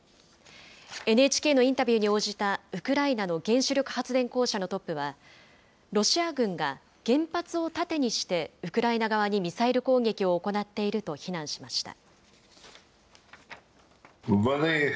ＮＨＫのインタビューに応じたウクライナの原子力発電公社のトップは、ロシア軍が原発を盾にしてウクライナ側にミサイル攻撃を行っていると非難しました。